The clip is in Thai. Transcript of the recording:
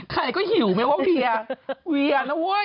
ใครก็หิวไหมว่าเวียเวียนะเว้ย